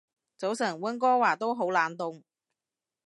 早晨，溫哥華都好冷凍